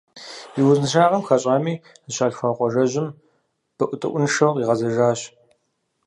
И узыншагъэм хэщӏами, зыщалъхуа къуажэжьым бэӏутӏэӏуншэу къигъэзэжащ.